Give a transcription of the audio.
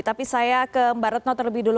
tapi saya ke mbak retno terlebih dulu